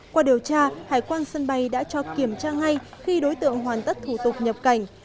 qua điều tra hải quan sân bay đã cho kiểm tra ngay khi đối tượng hoàn tất thủ tục nhập cảnh